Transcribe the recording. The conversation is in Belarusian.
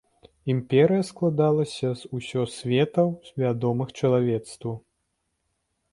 Імперыя складалася з усе светаў, вядомых чалавецтву.